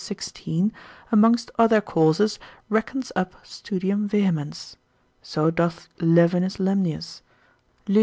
16, amongst other causes reckons up studium vehemens: so doth Levinus Lemnius, lib.